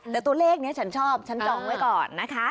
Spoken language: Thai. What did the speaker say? แต่ตัวเลขนี้ฉันชอบฉันจองไว้ก่อนนะคะ